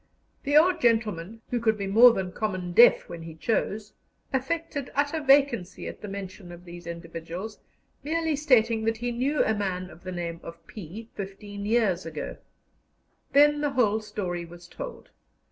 The old gentleman, who could be more than common deaf when he chose, affected utter vacancy at the mention of these individuals, merely stating that he knew a man of the name of P. fifteen years ago. Then the whole story was told.